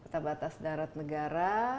peta batas darat negara